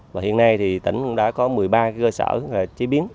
và hiện nay tỉnh đã có một mươi ba cơ sở chế biến